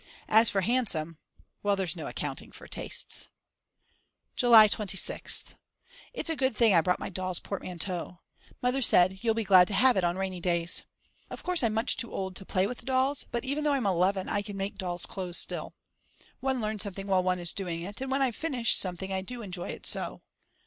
As for handsome well, there's no accounting for tastes. July 26th. It's a good thing I brought my dolls' portmanteau. Mother said: You'll be glad to have it on rainy days. Of course I'm much too old to play with dolls, but even though I'm 11 I can make dolls' clothes still. One learns something while one is doing it, and when I've finished something I do enjoy it so.